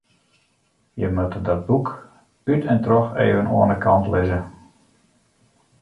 Je moatte dat boek út en troch even oan de kant lizze.